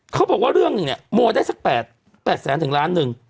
เขาบอกว่าเรื่องหนึ่งเนี่ยโมได้สัก๘แสนถึงล้านหนึ่ง